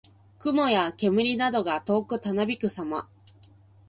雲や煙などが遠くたなびくさま。